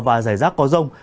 và rải rác có rông